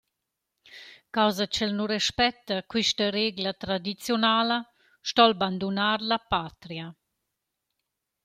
Causa ch’el nu respetta quista regla tradiziunala sto’l bandunar la patria.